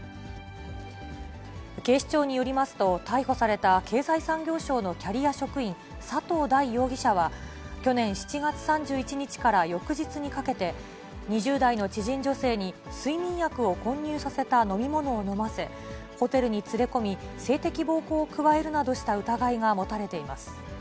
警視庁によりますと、逮捕された経済産業省のキャリア職員、佐藤大容疑者は、去年７月３１日から翌日にかけて、２０代の知人女性に睡眠薬を混入させた飲み物を飲ませ、ホテルに連れ込み、性的暴行を加えるなどした疑いが持たれています。